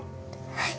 はい。